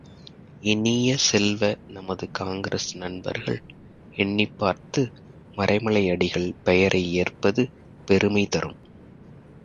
இனிய செல்வ, நமது காங்கிரஸ் நண்பர்கள் எண்ணிப் பார்த்து மறைமலையடிகள் பெயரை ஏற்பது பெருமை தரும்.